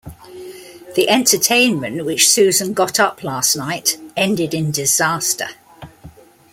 The entertainment which Susan got up last night ended in disaster.